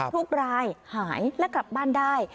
ทุกรายหายและกลับบ้านได้